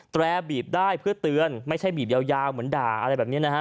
แรร์บีบได้เพื่อเตือนไม่ใช่บีบยาวเหมือนด่าอะไรแบบนี้นะฮะ